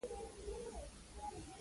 خپلې وړتیاوې نورې هم پیاوړې کړئ.